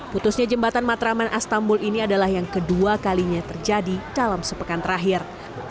putusnya jembatan matraman astambul ini adalah yang kedua kalinya terjadi dalam sepekan terakhir